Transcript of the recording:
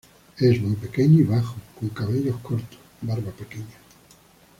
Es muy pequeño y bajo, con cabellos cortos barba pequeña.